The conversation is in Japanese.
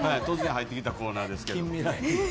突然入ってきたコーナーですけど。